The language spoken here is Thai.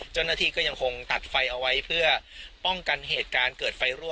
เจ้าหน้าที่ก็ยังคงตัดไฟเอาไว้เพื่อป้องกันเหตุการณ์เกิดไฟรั่